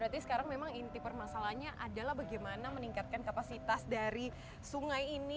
berarti sekarang memang inti permasalahannya adalah bagaimana meningkatkan kapasitas dari sungai ini